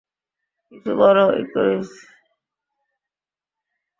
কিছু বলো, ইকারিস।